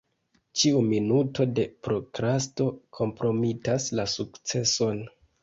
Ĉiu minuto de prokrasto kompromitas la sukceson.